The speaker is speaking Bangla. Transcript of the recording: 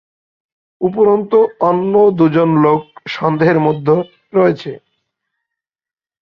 উপরন্তু, অন্য দুজন লোক সন্দেহের মধ্যে রয়েছে।